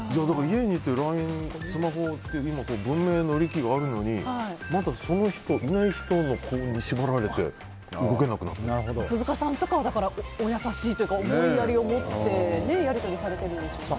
家にいて、スマホって今、文明の利器があるのにまた、いない人に縛られて鈴鹿さんとかはお優しいというか思いやりをもってやり取りされてるんでしょうね。